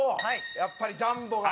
やっぱりジャンボがね。